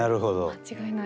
間違いない。